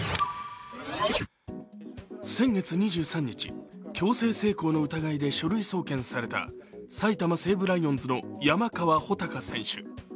先月２３日、強制性交の疑いで書類送検された埼玉西武ライオンズの山川穂高選手。